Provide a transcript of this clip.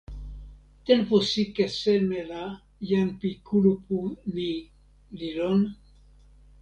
tenpo sike seme la jan pi kulupu ni li lon?